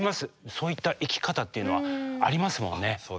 そういった生き方っていうのはありますもんね。